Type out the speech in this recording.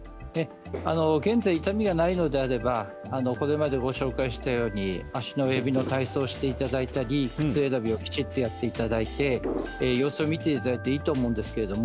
現在、痛みがないのであればこれまでご紹介したように足の指の体操をしていただいたり靴選びをきちんとしていただいて様子を見ていただいていいと思います。